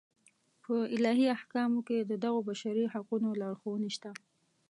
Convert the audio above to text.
په الهي احکامو کې د دغو بشري حقونو لارښوونې شته.